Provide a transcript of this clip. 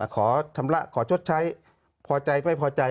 ขอชำระขอชดใช้พอใจไม่พอใจ